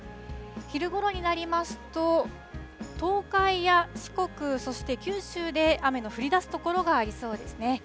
昼ごろになりますと、東海や四国、そして九州で雨の降りだす所がありそうですね。